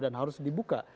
dan harus dibuka